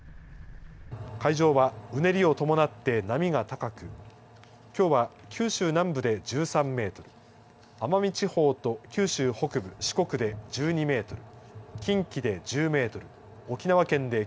海上は、うねりを伴って波が高くきょうは九州南部で１３メートル奄美地方と九州北部四国で１２メートル。